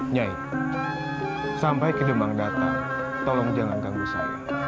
nyai sampai kedemang datang tolong jangan ganggu saya